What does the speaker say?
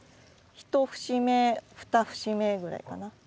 １節目２節目ぐらいかな。